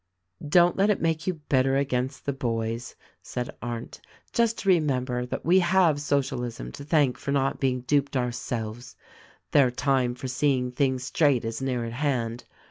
"Don't let it make you bitter against the boys," said Arndt. "Just remember that we have Socialism to thank for not being duped ourselves. Their time for seeing things straight is near at hand.